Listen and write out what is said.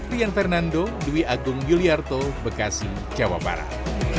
rian fernando dwi agung yuliarto bekasi jawa barat